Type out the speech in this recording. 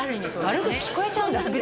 悪口聞こえちゃうんだもん